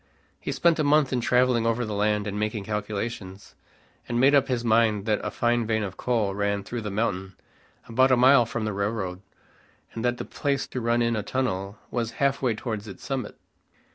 He spent a month in traveling over the land and making calculations; and made up his mind that a fine vein of coal ran through the mountain about a mile from the railroad, and that the place to run in a tunnel was half way towards its summit.